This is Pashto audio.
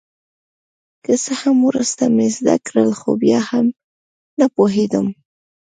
که څه هم وروسته مې زده کړل خو بیا هم نه په پوهېدم.